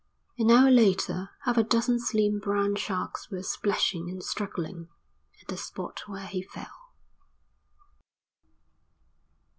An hour later half a dozen slim brown sharks were splashing and struggling at the spot where he fell.